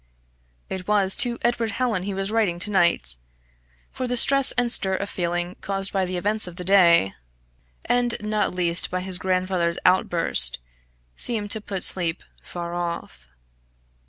It was to Edward Hallin he was writing to night, for the stress and stir of feeling caused by the events of the day, and not least by his grandfather's outburst, seemed to put sleep far off.